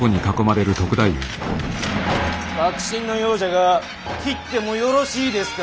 幕臣のようじゃが斬ってもよろしいですか。